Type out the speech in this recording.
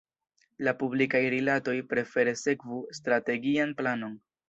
La publikaj rilatoj prefere sekvu strategian planon.